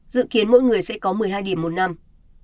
dự kiến mỗi người sẽ có một mươi hai điểm một năm